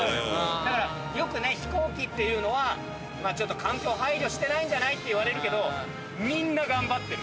だからよくね飛行機っていうのは環境配慮してないんじゃないっていわれるけどみんな頑張ってる。